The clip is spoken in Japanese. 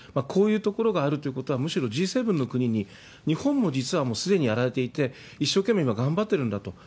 こういうところがあるということは、むしろＧ７の国に日本も実はもうすでにやられていて、一生懸命、今、頑張ってるんだと。